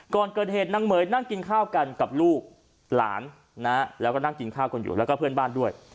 ก่อนเกิดเหตุนางเหม๋ยนั่งกินข้าวกันกับลูกหลานนะแล้วก็นั่งกินข้าวกันอยู่แล้วก็เพื่อนบ้านด้วย